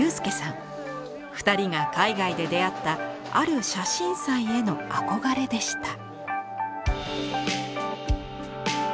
二人が海外で出会ったある写真祭への憧れでした。